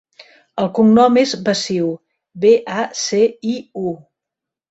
El cognom és Baciu: be, a, ce, i, u.